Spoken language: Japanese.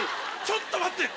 ちょっと待って！